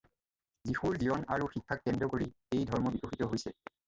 যীশুৰ জীৱন আৰু শিক্ষাক কেন্দ্ৰ কৰি এই ধৰ্ম বিকশিত হৈছে।